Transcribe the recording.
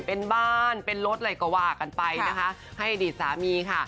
เป็นบ้านเป็นรถหลายกว่ากันไปให้อดีตสามีค่ะ